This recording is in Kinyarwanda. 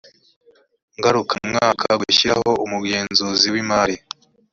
ngarukamwaka gushyiraho umugenzuzi w imari